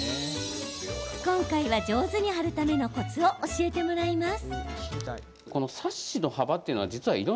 今回は上手に貼るためのコツを教えてもらいます。